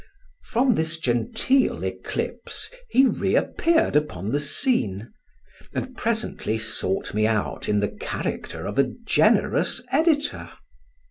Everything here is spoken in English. From this genteel eclipse he reappeared upon the scene, and presently sought me out in the character of a generous editor.